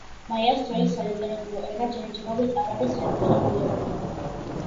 მაიას ძველი სალიტერატურო ენა ჯერჯერობით არ არის რეკონსტრუირებული.